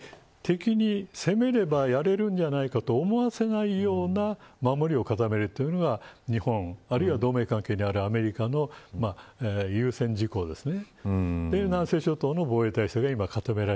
だから、敵に攻めればやれるんじゃないかと思わせないような守りを固めるというのは日本あるいは同盟関係であるアメリカの優先事項ですね。